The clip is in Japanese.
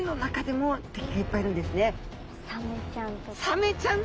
サメちゃん！